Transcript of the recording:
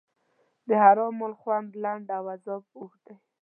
د حرام مال خوند لنډ او عذاب اوږد دی.